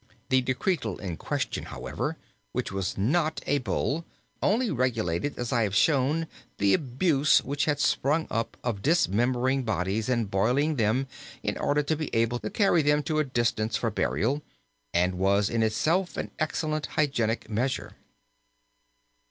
The decretal in question, however, which was not a Bull, only regulated, as I have shown, the abuse which had sprung up of dismembering bodies and boiling them in order to be able to carry them to a distance for burial, and was in itself an excellent hygienic measure.